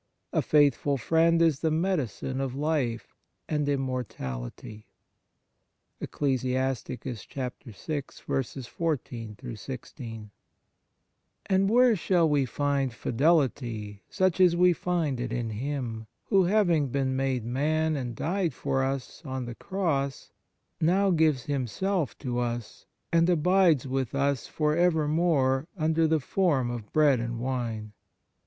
A faithful friend is the medicine of life and immor tality." 1 And where shall we find fidelity such as we find it in Him, who, having been made man and died for us on the Cross, now gives Himself to us, and abides with us for evermore, under the form of bread and wine